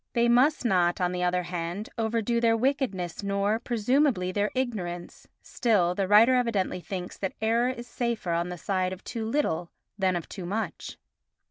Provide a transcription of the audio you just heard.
They must not, on the other hand, overdo their wickedness nor, presumably, their ignorance, still the writer evidently thinks that error is safer on the side of too little than of too much.